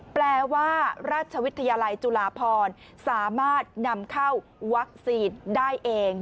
แปลว่าราชวิทยาลัยจุฬาพรสามารถนำเข้าวัคซีนได้เอง